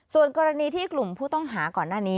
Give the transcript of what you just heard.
ส่วนกรณีที่กลุ่มผู้ต้องหาก่อนหน้านี้